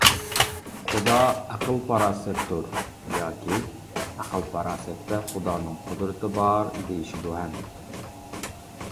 خۇدا ئەقىل-پاراسەتتۇر، ياكى ئەقىل-پاراسەتتە خۇدانىڭ قۇدرىتى بار، دېيىشىدۇ ھەم.